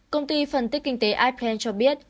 công ty phân tích kinh tế iplan cho biết